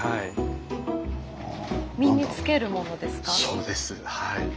そうですはい。